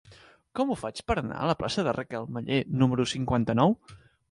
Com ho faig per anar a la plaça de Raquel Meller número cinquanta-nou?